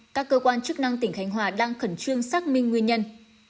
các cơ quan chức năng tỉnh khánh hòa đang khẩn trương xác minh nguyên nhân